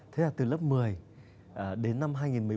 thế là từ lớp một mươi đến năm hai nghìn một mươi bốn